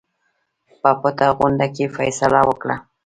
په پټه غونډه کې فیصله وکړه.